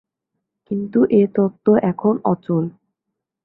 কিন্তু এ তত্ত্ব এখন অচল।